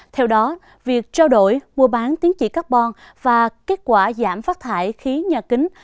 theo đó việc trao đổi mua bán tiến trị carbon và kết quả giảm phát thải khí nhà kính